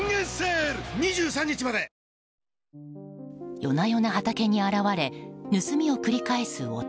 夜な夜な畑に現れ盗みを繰り返す男。